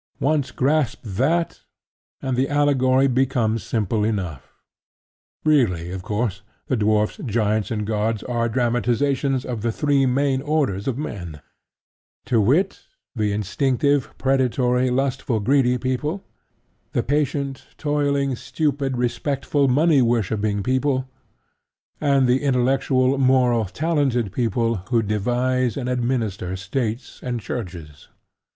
Once grasp that; and the allegory becomes simple enough. Really, of course, the dwarfs, giants, and gods are dramatizations of the three main orders of men: to wit, the instinctive, predatory, lustful, greedy people; the patient, toiling, stupid, respectful, money worshipping people; and the intellectual, moral, talented people who devise and administer States and Churches.